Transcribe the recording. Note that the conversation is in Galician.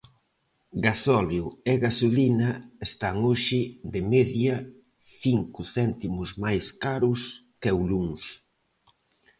Gasóleo e gasolina están hoxe, de media, cinco céntimos máis caros que o luns.